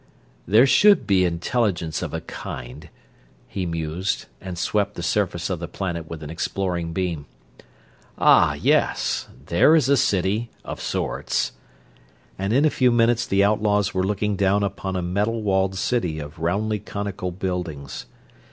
"There should be intelligence, of a kind," he mused, and swept the surface of the planet with an exploring beam. "Ah, yes, there is a city, of sorts," and in a few minutes the outlaws were looking down upon a metal walled city of roundly conical buildings.